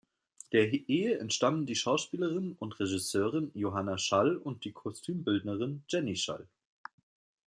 Der Ehe entstammen die Schauspielerin und Regisseurin Johanna Schall und die Kostümbildnerin Jenny Schall.